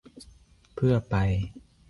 เพื่อไป